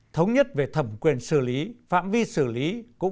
thống nhất về thẩm quyền xử lý phạm vi xử lý